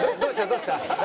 どうした？